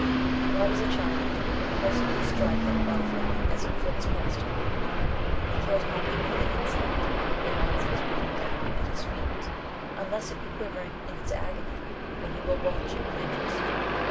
Why does a child impulsively strike at a butterfly as it flits past him ? He cares NATUBAL CAUSES OF LYCANTHROPY. 138 nothing for the insect when once it is beaten down at his feet, unless it be quivering in its agony, when he will watch it with interest.